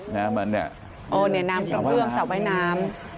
น้ำเฟื้มสระว่ายน้ำ